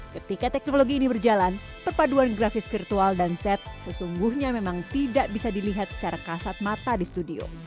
ketika teknologi ini berjalan perpaduan grafis virtual dan set sesungguhnya memang tidak bisa dilihat secara kasat mata di studio